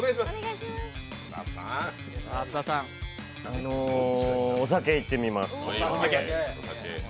あの、お酒いってみます。